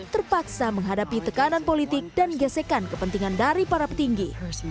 terpaksa menghadapi tekanan politik dan gesekan kepentingan dari para petinggi